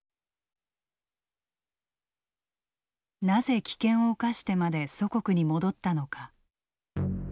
なぜ危険を冒してまで祖国に戻ったのか。